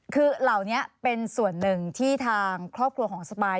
คือเหล่านี้เป็นส่วนหนึ่งที่ทางครอบครัวของสปาย